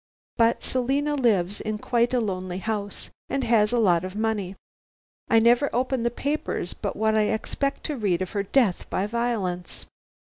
But Selina lives in quite a lonely house, and has a lot of money. I never open the papers but what I expect to read of her death by violence."